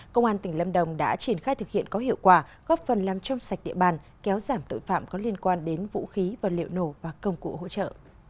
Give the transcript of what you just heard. công an tỉnh lâm đồng đã triển khai thực hiện có hiệu quả góp phần làm trong sạch địa bàn kéo giảm tội phạm có liên quan đến vũ khí vật liệu nổ và công cụ hỗ trợ